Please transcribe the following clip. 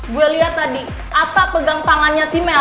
gue liat tadi atta pegang tangannya si mel